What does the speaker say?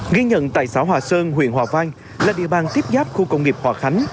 ghi nhận tại xã hòa sơn huyện hòa vang là địa bàn tiếp giáp khu công nghiệp hòa khánh